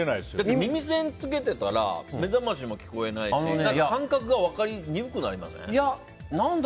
耳栓をつけていたら目覚ましも聞こえないし感覚が分からなくなりません？